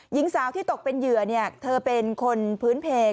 หญิงสาวที่ตกเป็นเหยื่อเธอเป็นคนพื้นเพจ